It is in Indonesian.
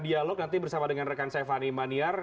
dialog nanti bersama dengan rekan saya fani maniar